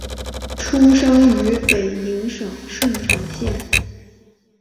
出生于北宁省顺成县。